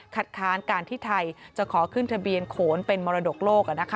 ค้านการที่ไทยจะขอขึ้นทะเบียนโขนเป็นมรดกโลก